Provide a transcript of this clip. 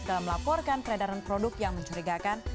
dalam melaporkan peredaran produk yang mencurigakan